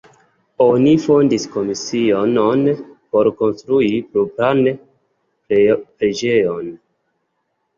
Oni fondis komisionon por konstrui propran preĝejon.